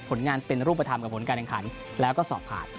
ผลงานเป็นรูปธรรมกับผลการแข่งขันแล้วก็สอบผ่าน